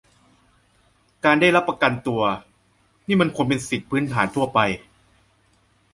การได้รับประกันตัวนี่มันควรเป็นสิทธิพื้นฐานทั่วไป